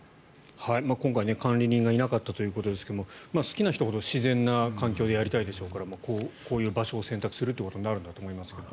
今回、管理人がいなかったということですけど好きな人ほど自然な環境でやりたいでしょうからこういう場所を選択するということになるんだと思いますけど。